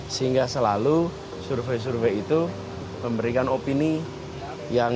sehingga selalu survei survei itu memberikan opini yang